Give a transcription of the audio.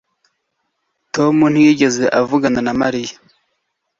Tom ntiyigeze avugana na Mariya